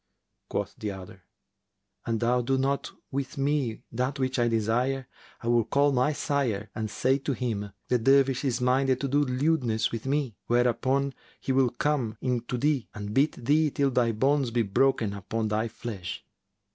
Quoth the other, "An thou do not with me that which I desire, I will call my sire and say to him, The Dervish is minded to do lewdness with me. Whereupon he will come in to thee and beat thee till thy bones be broken upon thy flesh."